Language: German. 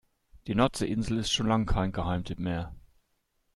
Die Nordseeinsel ist schon lange kein Geheimtipp mehr.